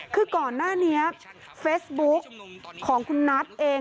คือก่อนหน้านี้เฟซบุ๊กของคุณนัทเอง